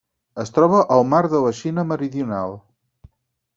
Es troba al Mar de la Xina Meridional.